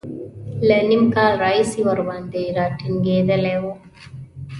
له نیم کال راهیسې ورباندې را ټینګېدلی و.